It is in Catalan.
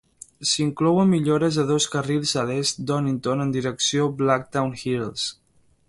S'hi inclouen millores de dos carrils a l'est d'Honiton en direcció a Blackdown Hills.